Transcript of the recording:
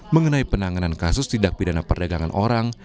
mengenai penanganan kasus tindak pidana perdagangan orang